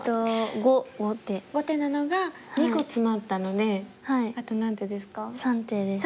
５手なのが２個詰まったのであと何手ですか？